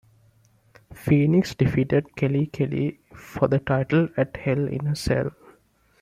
Phoenix defeated Kelly Kelly for the title at Hell in a Cell.